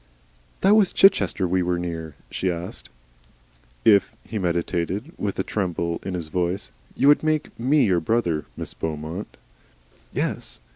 "That was Chichester we were near?" she asked. "If," he meditated, with a tremble in his voice, "you would make ME your brother, MISS BEAUMONT." "Yes?"